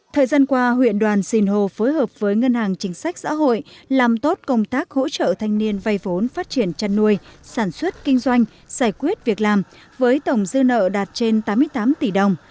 thời gian qua huyện đoàn xìn hồ phối hợp với ngân hàng chính sách xã hội làm tốt công tác hỗ trợ thanh niên vay vốn phát triển chăn nuôi sản xuất kinh doanh giải quyết việc làm với tổng dư nợ đạt trên tám mươi tám tỷ đồng